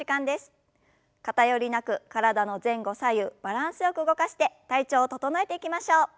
偏りなく体の前後左右バランスよく動かして体調を整えていきましょう。